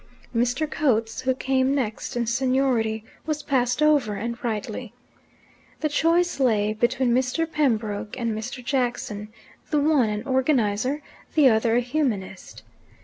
Mr. Coates, who came next in seniority, was passed over, and rightly. The choice lay between Mr. Pembroke and Mr. Jackson, the one an organizer, the other a humanist.